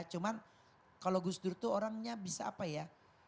cuma kalau gus dur tuh orangnya bisa apa ya